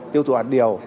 tiêu thụ hạt điều